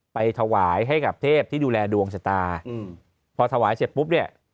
ไปถวายให้กับเทพที่ดูแลดวงชะตาอืมพอถวายเสร็จปุ๊บเนี่ย